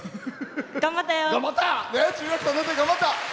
頑張ったよ！